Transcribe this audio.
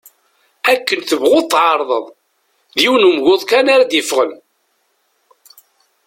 Akken tebɣuḍ tεerḍeḍ, d yiwen ugmuḍ kan ara d-yeffɣen.